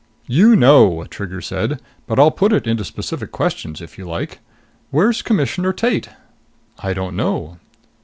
"You know," Trigger said. "But I'll put it into specific questions if you like. Where's Commissioner Tate?" "I don't know."